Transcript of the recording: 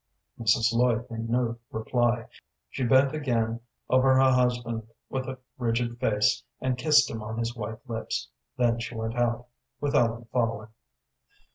Mrs. Lloyd made no reply. She bent again over her husband with a rigid face, and kissed him on his white lips, then she went out, with Ellen following.